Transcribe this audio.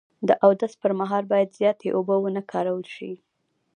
د اودس پر مهال باید زیاتې اوبه و نه کارول شي.